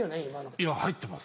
いや入ってます。